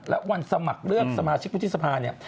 และวันสมัครเลือกสมาชิกวุฒิสภาเนี่ย